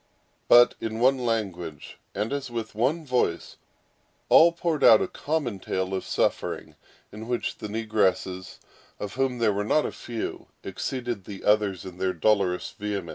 But, in one language, and as with one voice, all poured out a common tale of suffering; in which the negresses, of whom there were not a few, exceeded the others in their dolorous vehemence.